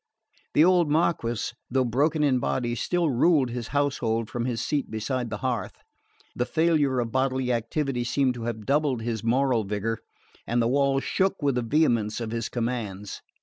The old Marquess, though broken in body, still ruled his household from his seat beside the hearth. The failure of bodily activity seemed to have doubled his moral vigour, and the walls shook with the vehemence of his commands.